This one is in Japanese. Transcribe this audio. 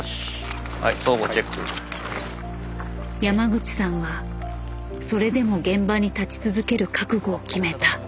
山口さんはそれでも現場に立ち続ける覚悟を決めた。